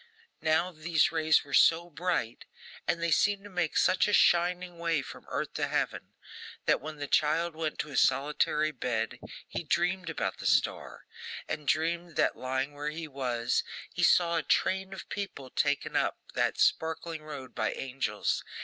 Now, these rays were so bright, and they seemed to make such a shining way from earth to Heaven, that when the child went to his solitary bed, he dreamed about the star; and dreamed that, lying where he was, he saw a train of people taken up that sparkling road by angels.